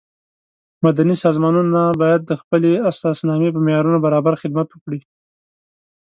مدني سازمانونه باید د خپلې اساسنامې په معیارونو برابر خدمت وکړي.